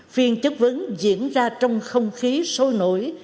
phiên chất vấn diễn ra trong không khí sôi nổi